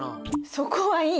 そこはいいの。